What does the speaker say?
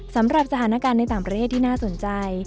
สำหรับสถานการณ์ในต่างประเทศที่น่าสนใจ